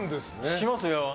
しますよ。